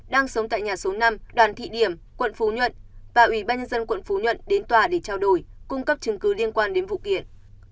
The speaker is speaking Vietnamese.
đang sống tại nhà số năm đoàn thị điểm quận phú nhuận và ủy ban nhân dân quận phú nhuận đến tòa để trao đổi cung cấp chứng cứ liên quan đến vụ kiện